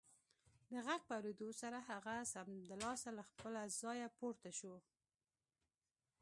د غږ په اورېدو سره هغه سمدلاسه له خپله ځايه پورته شو